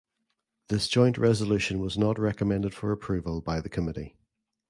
This joint resolution was not recommended for approval by the committee.